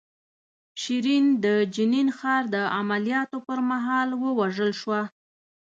شیرین د جنین ښار د عملیاتو پر مهال ووژل شوه.